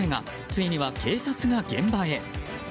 ついには警察が現場へ。